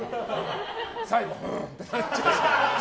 最後、ふんってなっちゃう。